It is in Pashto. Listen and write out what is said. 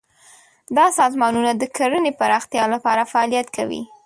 دا سازمانونه د کرنې پراختیا لپاره فعالیت کوي.